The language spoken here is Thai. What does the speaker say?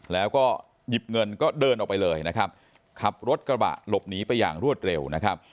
แล้วก็หยิบเงินก็เดินออกไปเลยนะครับขับรถกระบะหลบหนีไปอย่างรวดเร็วนะครับ